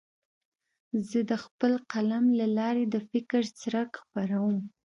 زه د خپل قلم له لارې د فکر څرک خپروم.